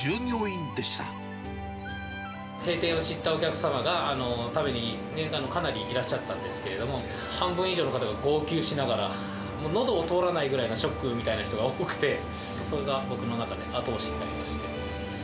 閉店を知ったお客様が、食べに、かなりいらっしゃったんですけれども、半分以上の方が号泣しながら、もうのどを通らないぐらいのショックみたいな人が多くて、それが僕の中で後押しになりました。